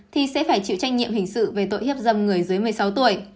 thì sẽ phải chịu trách nhiệm hình sự về tội hiếp dâm người dưới một mươi sáu tuổi